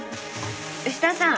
吉田さん。